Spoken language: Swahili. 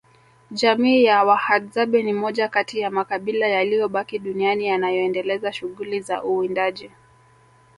Jamii ya Wahadzabe ni moja kati ya makabila yaliyobaki duniani yanayoendeleza shughuli za uwindaji